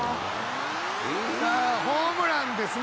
ホームランですね